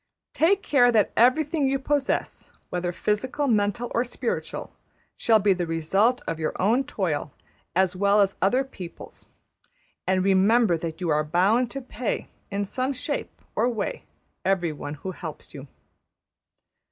Take care that everything you possess, whether physical, mental, or spiritual, shall be the result of your own toil as well as other people's; and remember that you are bound to pay, in some shape or way, everyone who helps you.